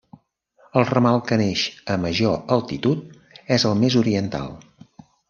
El ramal que neix a major altitud és el més oriental.